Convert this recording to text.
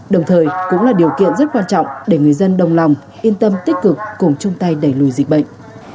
đồng thời cũng là điều kiện rất quan trọng để người dân đồng lòng yên tâm tích cực cùng chung tay đẩy lùi dịch bệnh